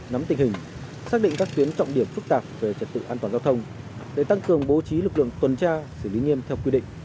nắm tình hình xác định các tuyến trọng điểm phức tạp về trật tự an toàn giao thông để tăng cường bố trí lực lượng tuần tra xử lý nghiêm theo quy định